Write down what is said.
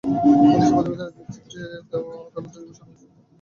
পুলিশি প্রতিবেদনের ভিত্তিতে দেওয়া আদালতের ঘোষণা অনুযায়ী, তারেক রহমান পলাতক আছেন।